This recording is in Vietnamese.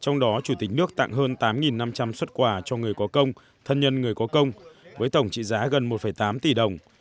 trong đó chủ tịch nước tặng hơn tám năm trăm linh xuất quà cho người có công thân nhân người có công với tổng trị giá gần một tám tỷ đồng